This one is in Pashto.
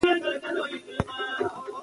که حاضري وي نو زده کوونکی نه ورکېږي.